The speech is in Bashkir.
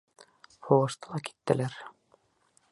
Һуғышты ла киттеләр!